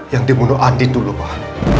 yang dibunuh andi dulu pak